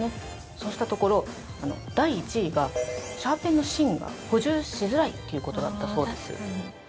そうしたところ、第１位がシャーペンの芯が補充しづらいということだったそうです。